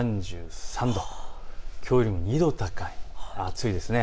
３３度、きょうよりも２度高い、暑いです。